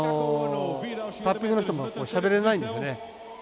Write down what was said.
タッピングの人もしゃべれないんですね。